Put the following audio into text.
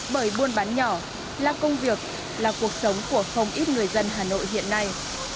bởi buôn bán nhỏ là công việc là cuộc sống của không ít người dân hà nội hiện nay